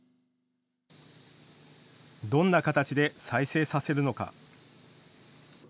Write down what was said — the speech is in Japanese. どんな形で再生させるのか。